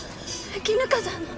絹香さんの。